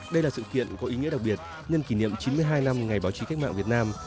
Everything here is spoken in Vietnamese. đây là sự kiện có ý nghĩa đặc biệt nhân kỷ niệm chín mươi hai năm ngày báo chí cách mạng việt nam